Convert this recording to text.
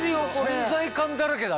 存在感だらけだね。